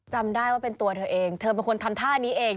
จำได้ว่าเป็นตัวเธอเองเธอเป็นคนทำท่านี้เอง